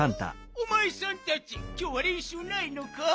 おまえさんたちきょうはれんしゅうないのか？